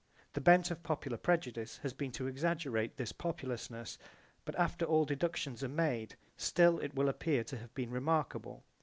The bent of popular prejudice has been to exaggerate this populousness: but after all deductions [are] made, still it will appear to have been remarkable.